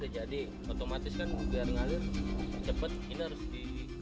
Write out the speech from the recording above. banyak hal yang sudah jadi otomatis kan biar ngalir cepet ini harus di